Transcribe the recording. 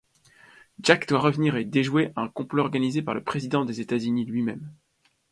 Jack doit revenir et déjouer un complot organisé par le président des États-Unis lui-même.